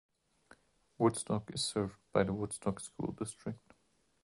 Woodstock is served by the Woodstock School District.